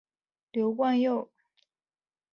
刘冠佑。